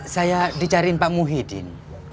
saya dicariin pak muhyiddin